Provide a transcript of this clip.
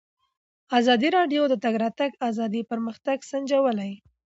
ازادي راډیو د د تګ راتګ ازادي پرمختګ سنجولی.